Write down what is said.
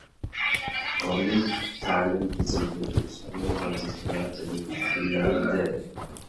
Oliy ta’lim tizimidagi ustuvor vazifalar belgilandi